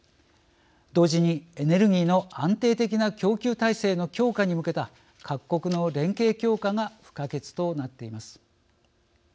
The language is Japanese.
同時にエネルギーの安定的な供給体制の強化に向けた各国の連携強化が不可欠となっています。